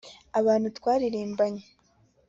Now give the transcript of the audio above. abantu twaririmbanye